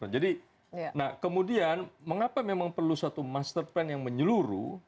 jadi kemudian mengapa memang perlu satu master plan yang menyeluruh